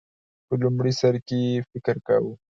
په لومړی سر کې یې فکر کاوه